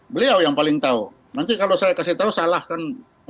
beliau yang paling tahu nanti kalau saya kasih tahu salah kan